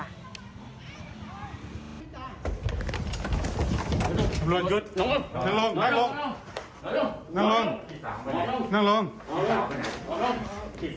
ดูประตูภาพสิทธิ์